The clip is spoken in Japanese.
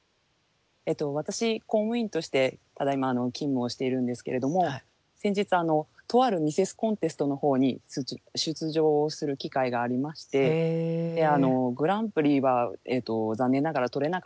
私公務員としてただいま勤務をしているんですけれども先日とあるミセスコンテストのほうに出場する機会がありましてグランプリは残念ながら取れなかったんですけれども。